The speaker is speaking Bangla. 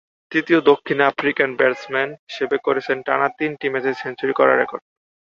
তৃতীয় দক্ষিণ আফ্রিকান ব্যাটসম্যান হিসেবে করেছেন টানা তিনটি ম্যাচে সেঞ্চুরি করার রেকর্ড।